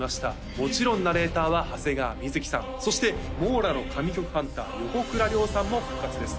もちろんナレーターは長谷川瑞さんそしてｍｏｒａの神曲ハンター横倉涼さんも復活です